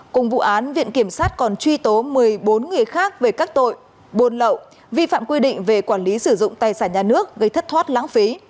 cùng vụ án viện kiểm sát còn truy tố một mươi bốn người khác về các tội buôn lậu vi phạm quy định về quản lý sử dụng tài sản nhà nước gây thất thoát lãng phí